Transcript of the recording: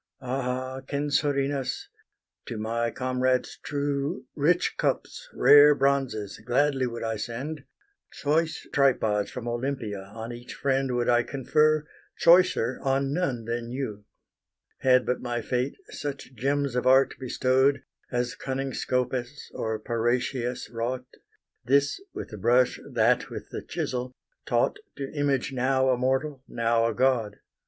Ah Censorinus! to my comrades true Rich cups, rare bronzes, gladly would I send: Choice tripods from Olympia on each friend Would I confer, choicer on none than you, Had but my fate such gems of art bestow'd As cunning Scopas or Parrhasius wrought, This with the brush, that with the chisel taught To image now a mortal, now a god.